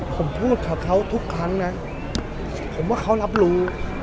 ผมพูดกับเขาทุกครั้งนะผมว่าเขารับรู้